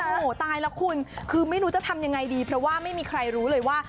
โอ้โหตายแล้วคุณคือไม่รู้จะทำยังไงดีเพราะว่าไม่มีใครรู้เลยว่า